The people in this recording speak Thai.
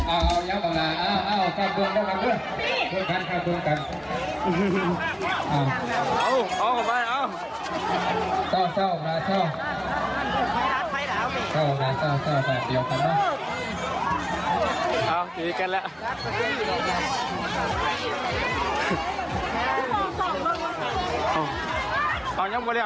เอาเอาเอาเอาฟังไปเอาดีกันละ